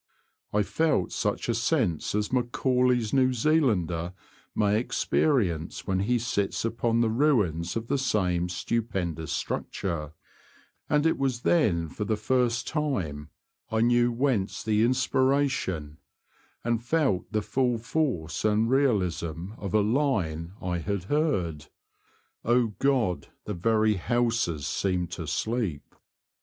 I felt such a sense as Macaulay's New Zealander may experience when he sits upon the ruins of the same stu pendous structure ; and it was then for the first time I knew whence the inspiration, and felt the full force and realism of a line I had heard, '^ O God ! the very houses seemed to sleep."